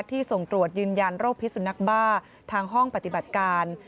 ส่งตรวจยืนยันโรคพิสุนักบ้าทางห้องปฏิบัติการ